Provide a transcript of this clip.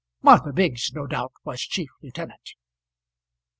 Martha Biggs no doubt was chief lieutenant.